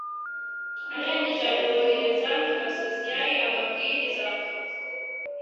arangije amwohereza ku musosiyari amabwiriza